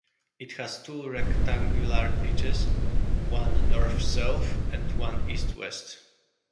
It has two rectangular pitches, one north-south and one east-west.